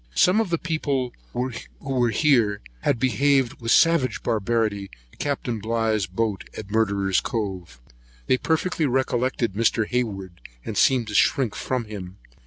Some of the people were here who behaved with such savage barbarity to Capt. Bligh's boat at Murderer's Cove. They perfectly recollected Mr. Hayward, and seemed to shrink from him.